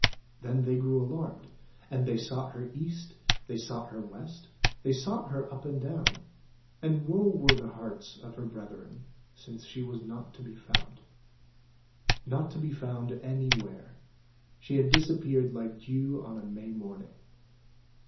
Then they grew alarmed, and — They sought her east, they sought her west. They sought her up and down. And woe were the hearts of her brethren, Since she was not to be found. Not to be found anywhere — she had disappeared like dew on a May morning.